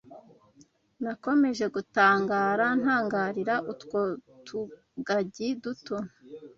Nakomeje gutangara ntangarira utwo tugagi duto